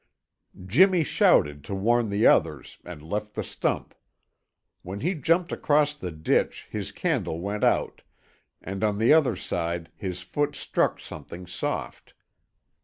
Jimmy shouted to warn the others and left the stump. When he jumped across the ditch his candle went out, and on the other side his foot struck something soft.